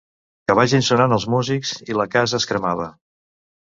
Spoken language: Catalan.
Que vagin sonant els músics, i la casa es cremava.